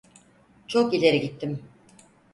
Çok ileri gittim.